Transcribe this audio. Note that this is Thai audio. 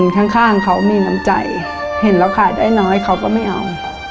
ข้างเขามีน้ำใจเห็นเราขายได้น้อยเขาก็ไม่เอา